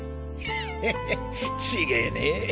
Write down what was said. ヘヘッちげえねえ。